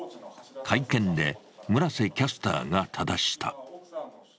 会見で村瀬キャスターがただした。